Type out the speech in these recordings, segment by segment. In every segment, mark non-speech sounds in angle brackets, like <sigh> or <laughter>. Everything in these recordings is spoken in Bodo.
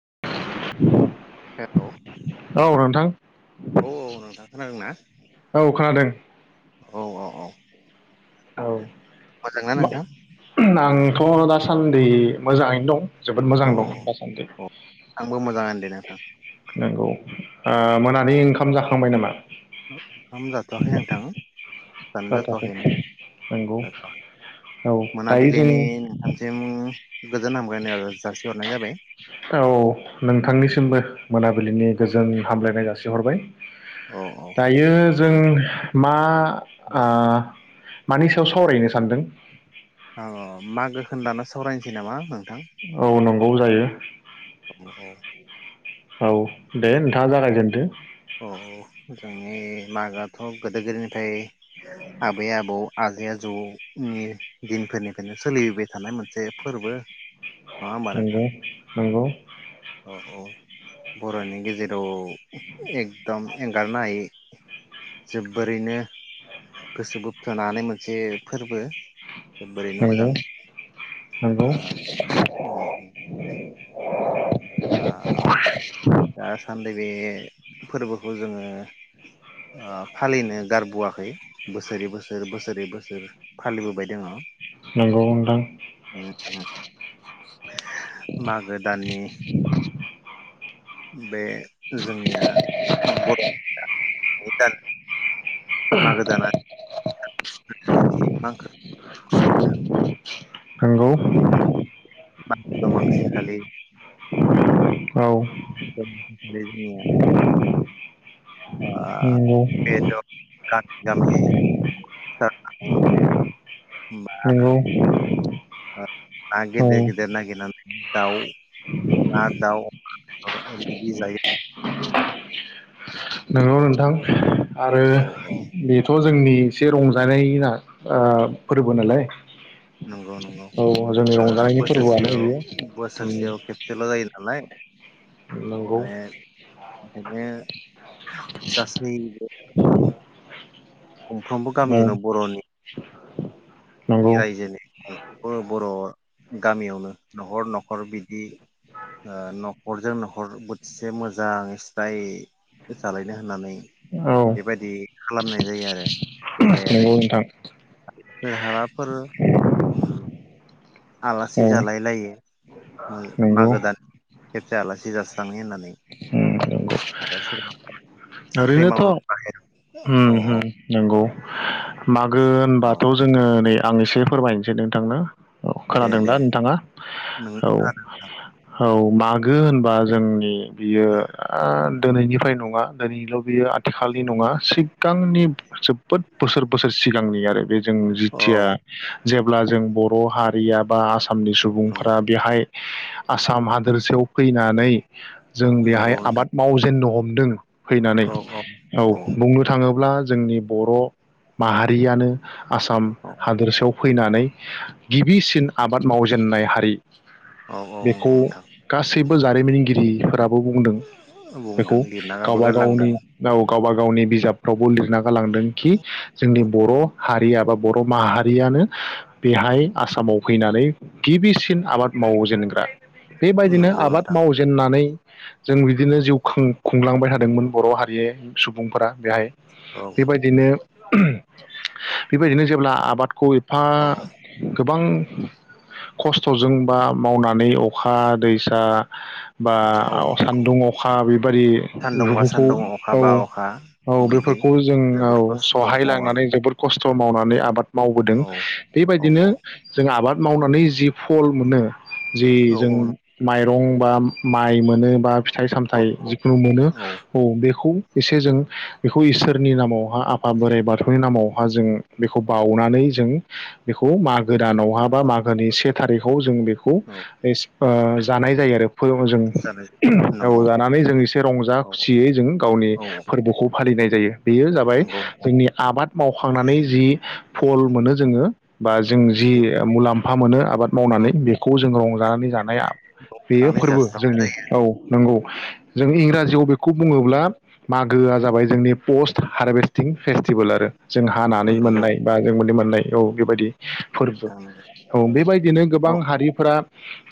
<unintelligible> हेलौ औ नोंथां औ नोंथां खोनादों ना? <unintelligible> औ खोनादों। औ औ औ। औ। मोजांना नोंथां? <unintelligible> आंथ' दासान्दि मोजाङैनो दं जोबोद मोजां अ दं दासान्दि अ आंबो मोजाङानो दे नोंथां नोगौ ओ मोनानि ओंखाम जाखांबाय नामा ओंखाम जाथ'वाखै नोंथां दानो जाथ'वाखै नंगौ जाथ'वाखैनो औ दायो जों मोनाबिलिनि नोंथामसिम गोजोन हामब्लाय आरो जासिहरनाय जाबाय औ ओ नोंथांनिसिमबो मोनाबिलिनि गोजोन हामलायनाय जासिहरबाय औ औ दायो जों मा औ आ मानि सायाव सावरायनो सानदों औ मागो खोनो दानो सावरायनोसै नामा नों औ नं औ जायो ओ औ दे नोंथाङा जागाय जेन्दो औ जोंनि मागोआथ' गोदो गोदायनिफ्राय आबै आबौ आजै आजौनि दिनफोरनिफ्रायनो सोलिबाय थानाय मोनसे फोरबो नङा होमबा नोंथां? नोंगो नंगौ औ औ बर'नि गेजेराव एकदम एंगारनो हायै जोब्बोरैनो गोसो बोबथानो हानाय मोनसे फोरबो जोबबोरैनो नंगौ मोजां नंगौ ओ उम उम आ अ दा सान्दै बे फोरबोखौ जोङो ओ फालिनो गारबोआखै बोसोरै बोसोर बोसोरै बोसोर फालिबोबाय दङ नंगौ नोंथां उम उम मागो दाननि बे जोंनिया बर' <unintelligible> मागो दाना नंगौ मा दमांसि खालि औ <unintelligible> <unintelligible> ओ नंगौ बेद गामि गामि जानानै नंगौ ओ औ नागेदेर गेदेर नागेर दाउ ना दाउ रेदि जायो <inaudible> नोंगौ नोंथां। आरो औ औ बेथ' जोंनि एसे रंजानाय ओ फोरबो नालाय नंगौ नंगौ औ जोंनि ओ रंजानायनि फोरबोआनो बोसोरसेयाव बेयो बोसोरसेयाव उम खेबसेल' जायो नालाय नंगौ माने बिनो गासैबो गंफ्रोमबो औ गामियावनो बर'नि नंगौ रायजोनि बर' बर' गामियावनो न'खर न'खर बिदि ओ न'खरजों न'खर बोथिसे मोजां स्राइ जालायनो होननानै औ बेबायदि खालामनाय जायो आरो। नंगौ गेदेरै नोंथां। सोरहाबाफोर उम आलासि औ जालाय लायो। मो नंगौ मागो दान जा आलासि जास्रांनि होननानै। उम नंगौ आरो <unintelligible> ओरैनोथ' मावनो औ उम उम औ नंगौ। औ। मागो औ होनबाथ' जोङो नै आं एसे फोरमायनोसै नोंथांनो औ दे खोनादों दे दा नोंथाङा नों औ। खोनादों नोंथां औ मागो होनबा जोंनि बियो ओ दिनैनिफ्राय नंङा दिनैल' बियो आथिखालनि नङा सिग <unintelligible> गांनि जोब - बोसोर बोसोर सिगांनि आरो बे जों औ जिथिया जेब्ला जों बर' हारिया बा आसा -आमनि नंगौ सुबुंफोरा बेहाय आसाम हादोरसायाव फैनानै जों बेहाय नंगौ नोंथां आबाद मावजेननो हम दोङो फैनानै औ बुंनो थाङोब्ला जोंनि बर' माहारियानो आसाम औ हादोरसायाव फैनानै गिबिसिन आबाद मावजेननाय हारि औ औ नंगौ बेखौ नोंथां गासै जारिमिनगिरिफोरा बुंदों बेखौ। बुंदों लिरना गाबो गावबा गारलांदों -गावनि राव गावबा -गावनि बिजाबफ्रावबो लिरना गालांदों खि जोंनि औ बर' हारिया बा बर' माहारियानो बेहाय आसामाव फैनानै गिबिसिन आबाद मावजेनग्रा बेबायदिनो नंगौ आबाद नोंथां मावजेननानै जों बिदिनो जिउ खुंलांबाय थादों <unintelligible> बर' हारि सुबुंफोरा बेहाय औ बेबायदिनो बेबायदिनो जेब्ला आबादखौ औ <unintelligible> गोबां खस्थ'जों बा मावनानै अखा दैसा बा औ नंगौ सान्दुं, अखा बेबायदि सान्दुंबा सान्दुं औ अखाबा अखा -औ बिदि बेफोरखौ जों जोबोद औ खस्थ' मावनानै सहायलांनानै जोबोद खस्थ' <unintelligible> मावनानै आबाद मावबोदों औ औ बेबायदिनो जों आबाद मावनानै जि फल मोनो। जि औ जों औ नंगौ माइ दंबा माइ मोनोबा फिथाइ- सामथाइ जिखुनु मोनो। औ बेखौ एसे जों बेखौ इसोरनि नामाव <unintelligible> आफा बोराइ बाथौनि नामाव जों बेखौ बावनानै जों बेखौ माग गोदानावहा औ बा मागोनि से थारिखआव जों बेखौ औ ओ जानाय जायो आरो जों जानाय नंगौ जानानै जों एसे रंजा औ खुसियै जों गावनि औ फोरबोखौ फालिनाय जायो बेयो जाबाय नंगौ जोंनि आबाद मावखांनानै जि फल मोनो जोङो बा जों जि मुलाम्फा मोनो आबाद बेखौ मावनानै बेखौ जों रंजानानै जानाया बेयो लानानै फोरबो जास्रांनाय जोंनि औ नंगौ। जों इंराजियाव बे खौ बुङोब्ला मागोआ जाबाय जोंनि पस्ट हारभेस्टिं फेस्टिभेल आरो जों हानानै नंगौ मोननाय बा जों मोनदि मोन नाय औ बेबायदि फोरबो नोंथां नंगौ औ बेबायदिनो औ गोबां हारिफोरा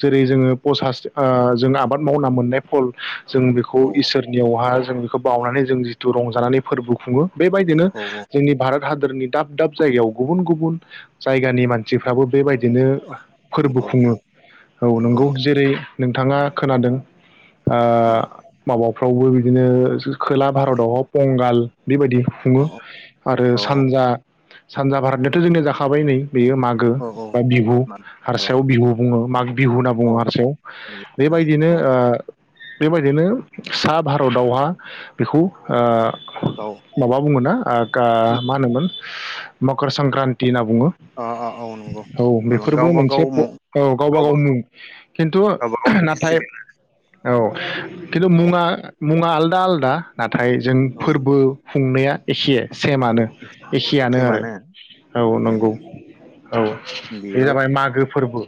जेरै जोङो पसास ओ जों आबाद मावना मोननाय फल जों बेखौ औ इसोर यावहा जों बेखौ बावनानै जों जिथु रंजानानै फोरबो खुङो बेबायदिनो औ औ जोंनि भारत हादोरनि दाब दाब जायगायाव गुबुन गुबुन जायगानि मानसिफ्राबो बेबायदि बिदिनो औ फोरबो नंगौ खुङो नोंथां औ नंगौ जेरै नोंथाङा खोनादों ओ नोंथां माबाव फ्रावबो बिदिनो खोला भारताव पंगाल बेबायदि खुङो औ आरो औ सानजा सानजा भारतनियाथ जोंनिया जाखाबाय नै बेयो मागो औ औ बा बिहु थाबाय हारसायाव बिहु बुङो माग बिहु होनना औ बुङो हारसायाव नंगौ नोंथां बेबायदिनो औ बेबायदिनो सा भारतावहा बेखौ ओ गाव माबा बुङोना आ गा मा होनोमोन मकरसंक्रान्ति होनना बुङो अ अ औ नंगौ औ बेफोरबो गावबा मोनसे गाव औ गावबा गाव मुं खिन्थु गावबा गावनि नाथाय औ औ मुङा मुङा आलदा आलदा ना थाय जों औ फोरबो खुंनाया एखे फोरबो सेमानो एखेयानो आरो सेमानो औ एखेयानो नंगौ औ बे बेयाव जाबाय मागो फोरबो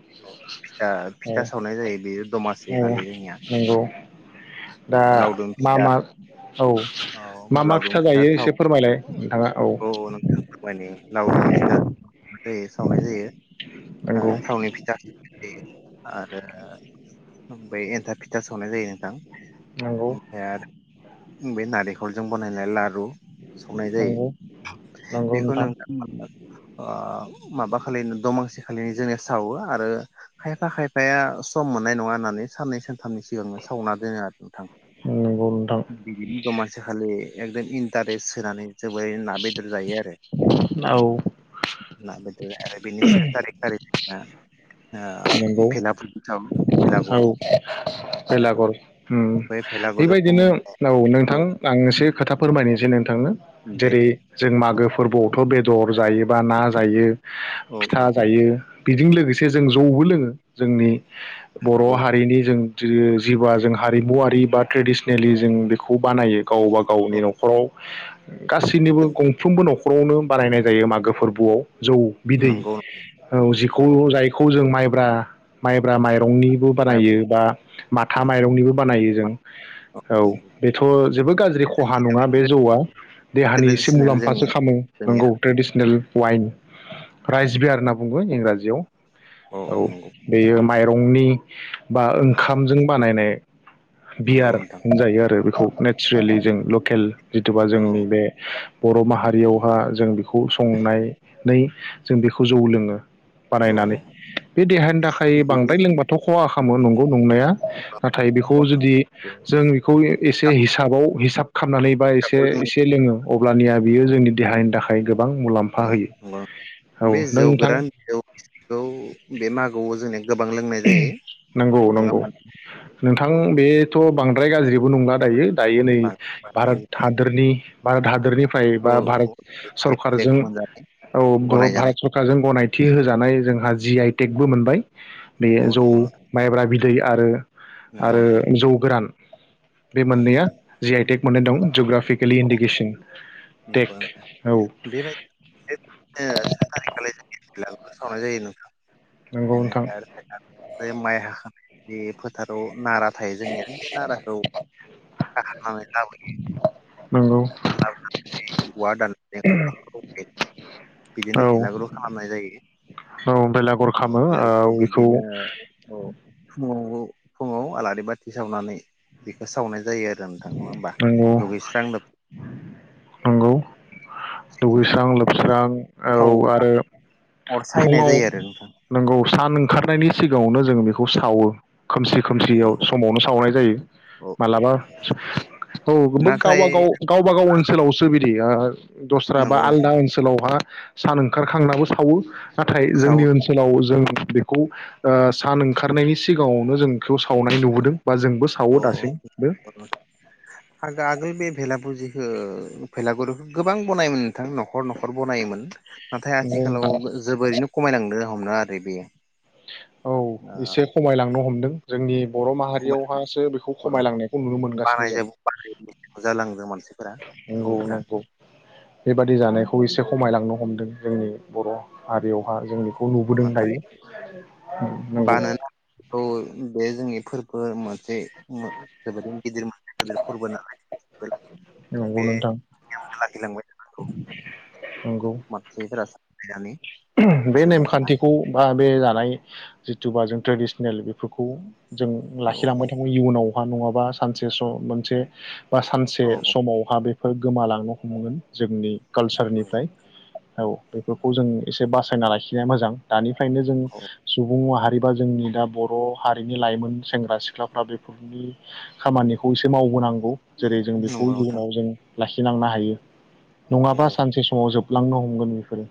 फिथा औ फिथा सावनाय जायो बेयो दमासि औ खालि जोंनिया नंगौ दा ओ लावदुम मा फिथा मा औ मा औ मा लावदुम फिथा जायो थाव एसे फोरमायलाय औ नोंथाङा औ नोंथां फोरमायनो लावदुम फिथा जायो सावनाय जायो नंगौ ओ थावनि फिथा बिब्दि आरो ओमफ्राय एन्थाब फिथा सावनाय जायो नोंथां नंगौ इनिफ्राय आरो बे नारेंखलजों बनायनाय लारु संनाय जायो नंगौ नंगौ बेखौ नोंथां नोंथांमोना ओ माबा खालि दमांसि खालि जोंनिया सावो आरो खायफा खायफाया सम मोननाय नङा होननानै साननै सानथामनि सिगांनो सावना दोनो आरो नोंथां नंगौ नोंथां बिदिनो दमासि खालि <unintelligible> इन्टारेस्ट होनानै जोबोरै ना बेदर जायो आरो औ नाजों आरो बिनिस थारिख-थारिख आ ओ नंगौ भेला फुथाम भेलागुरु भेलागुरु बेलागुर उं बे भेलागुरुखौ बेबायदिनो औ नोंथां आं एसे खोथा फोरमायनोसै नोंथांनो दे जेरै जों मागो फोरबोआवथ बेदर जायोबा ना जायो औ फिथा जायो बेजों लोगोसे जों जौबो लोंङो जोंनि बर हारिनि जों जो जिवा जों हारिमुवारि बा ट्रेडिसनेलि जों बेखौ खौ बानायो गावबा औ नंगौ औ गावनि नखराव गासैनिबो गंफ्रोमबो न'ख न'खरावनो बानायनाय जायो मागो फोरबोआव जौ बिदै नंगौ औ जिखौ जाय, माइब्रा माइब्रा माइरंनिबो बानायो माइब्रा बा माथा औ माइरंनिबो बानायो जों, औ नंगौ बेथ' जोबोद गाज्रिख खहा नंङा बे जौआ देहानि एसे ट्रेडिसनेल जोंनि मुलाम्फासो खालामो जोंनिया नंगौ ट्रेडिसनेल। उवाइन रायजिबाय आरोना बुं बो इंराजियाव, औ बेयो माइरंनि बा औ ओंखामजों बानायनाय, नंगौ बियार नोंथां होनजायो आरो बेखौ औ नेचुरेलि जों लकेल जिथुबा जोंनि बे, बर' माहारियावहा जों बेखौ संनायनै जों बेखौ जौ लोंङो। औ बानायनानै बे देहानि थाखाय औ बिदि बांद्राय लोंबाथ' खहा खालामो औ नंगौ नंनाया नाथाय बेखौ जुदि जों बेखौ एसे हिसाबाव हिसाब खालामनानै बा एसे-एसे लोंङो अब्लानिया बियो जोंनि देहानि थाखाय गो बां मुलाम्फा नंगौ होयो औ नों नोंथां, खौ बे मागोआव <unintelligible> जायो नंगौ नङा नंगौ नोंथां होमबा बे, थ' बांद्राय गाज्रिबो नंला दायो, दायो नै भारत नोंथां? हादोरनि, भारत हादोरनि, निफ्राय औ बा भारत औ जेग जेग सरखारजों मोनजानाय औ गनायजानाय भारत सरखारजों गनाय, थि होजानाय जोंहा जि आइ टेकबो मोनबाय, औ बेयो जौ नंगौ नोंथां माइब्रा बि दै आरो नंगौ आरो नोंथां जौ गोरान, बे औ मोननैया जि आइटेक, मोननाय दं जग्राफ केलि औ इनडेकेसन नंगौ टेग नोंथां औ बेबायदिनो <unintelligible> नंगौ नोंथां <unintelligible> बे माइ हाखांनाय बे फोथाराव नारा थायो जोंनिया बे नाराखौ हानानै लाबोयो नंगौ हानानै लाबोखांनानै औवा दाननानै औवाखौ बिदिनो औ भिलागुरबो खालामनाय जायो औ बेलागर औ खामो भिलागुरखौ बेखौ बिदिनो औ फुं ङाव फुङाव आलारि बाथि सावनानै बेखौ सावनाय जायो आरो नङा होमबा नंगौ दुगैस्रां नंगौ <unintelligible> दुगैस्रां लोबस्रां औ थाव आरो अर सायनाय फुङाव जायो आरो नोंथां नंगौ सान ओंखारनायनि सिगाङावनो जोङो बेखौ सावो खोमसि खोमसियाव नंगौ समावनो सावनाय जायो औ मालाबा औ बे नाथाय गावब गाव गावबा गाव ओनसोलावसो बिदि बि दस्रा बा नंगौ आलदा नोंथां ओनसोलावहा सान ओंखारखांनाबो सावो नाथाय साव जोंनि ओनसोलाव जों बेखौ ओ सान ओंखारनायनि सिगाङावनो जों बेखौ सावनाय नुबोदों बा जोंबो औ सावो दासिमबो आ आगोल बे भेला <unintelligible> भेलागुर गोबां बनायोमोन नोंथां न'खर न'खर बनायोमोन नाथाय नंगौ आथिखालाव नोंथां जोबोरैनो खमायलांदों हमनो आरो बे बेयो औ एसे खमायलांनो हमदों जोंनि बर' खमाय माहारियावहासो बेखौ गरम खमायलांनायखौ नुनो मोनगासिनो जों बानायजोब बानाय जालांदों मानसिफोरा नोंंगौ सुबुंफोरा नंगौ बेबादि जानायखौ एसे खमायलांनो हमदों जोंनि बर' हारियावहा जोंनि नाथाय <unintelligible> नंगौ बे जोंनि फोरबो मोनसे माब गिदिर मा गिदिर फोरबो नालाय फोर नंगौ नोंथां नंगौ मान्सिफोरा सानलाय नानै बे नेमखान्थिखौ बा बे जानाय जिथुबा जों ट्रेडिसनेल बेफोरखौ जों औ लाखिलांबाय औ थाङो इयुनाव अहा नङाबा सानसे सम मोनसे बा सानसे औ औ समावहा बे फोर गोमालांनो हमगोन जोंनि नंगौ कालसारनिफ्राय औ। बेफोरखौ जों एसे बासायना लाखिनाया मोजां। दानिफ्रायनो जों औ सुबुं माहारि बैबा जोंनि दा बर' हारिनि लाइमोन सेंग्रा सिख्लाफ्रा बेफोरनि खामानिखौ एसे मावबोनां गौ जेरै जों बेखौ नंगौ नोंथां इयुनाव जों लाखिलांनो हायो। औ नङाबा औ सानसे समाव जोब लांनो हमगोन बेफोरो।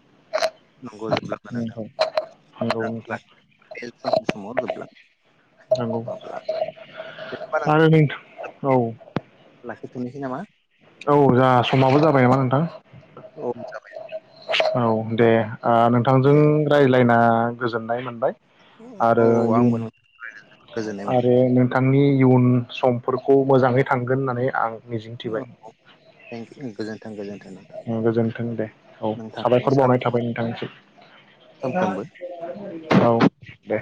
नंगौ जोबलांगोन नोंथां नंगौ नोंथां नोंथां <unintelligible> सानसे समाव जोबलाङो। नंगौ माब्ला बा दे ओमबा आरो नोंथां औ <unintelligible> लाखिथ'नि। सै नामा? औ जा समाबो जाबाय नामा औ नोंथां? जाबाय औ दे। ओ नोंथांजों दे रायज्लायना गोजोननाय मोनबाय। अ' औ आरो आंबो इयुन नोंथांजों रायज्लायना जोबोर गोजोननाय मोनबाय ‌। नोंनि इयुन समफोरखौ मोजाङै थांगोन होननानै आं अ' मिजिंथिबाय औ थेंकि गोजोनथों गोजोन ओम गोजोन्थों दे औ नोंथांनि साबायखर बावनाय सानखौ थाबाय मोजां सानफ्रोमबो नोंथांनिसिम औ दे।